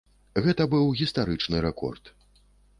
Гэта быў гістарычны рэкорд.